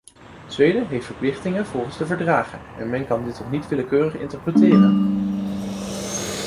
Zweden heeft verplichtingen volgens de verdragen en men kan dit toch niet willekeurig interpreteren?